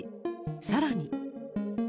さらに。